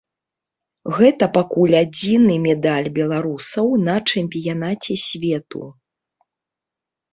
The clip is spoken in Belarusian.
Гэта пакуль адзіны медаль беларусаў на чэмпіянаце свету.